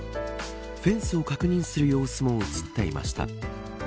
フェンスを確認する様子も映っていました。